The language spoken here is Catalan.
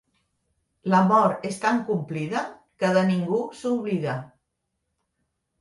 La mort és tan complida, que de ningú s'oblida.